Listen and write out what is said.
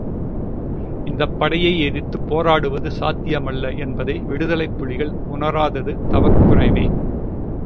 இந்தப் படையை எதிர்த்துப் போராடுவது சாத்தியமல்ல என்பதை விடுதலைப் புலிகள் உணராதது தவக்குறைவே.